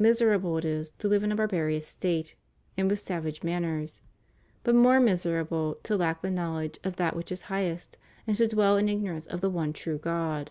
Miserable it is to five in a barbarous state and with savage manners: but more miserable to lack the knowledge of that which is highest, and to dwell in ig norance of the one true God.